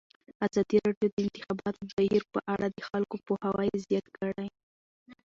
ازادي راډیو د د انتخاباتو بهیر په اړه د خلکو پوهاوی زیات کړی.